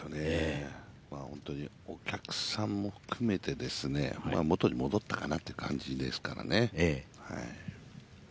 本当にお客さんも含めて元に戻ったかなという感じですからね。